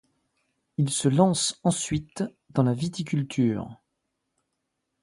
Il se lance ensuite dans la viticulture.